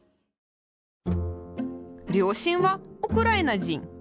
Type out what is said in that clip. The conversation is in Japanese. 両親はウクライナ人。